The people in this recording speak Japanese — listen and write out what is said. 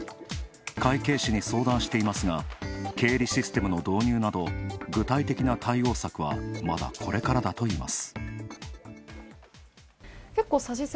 会計士に相談していますが、経理システムの導入など具体的な対応策はまだこれからだといいます。